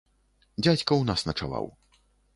Дзядзька ў нас начаваў.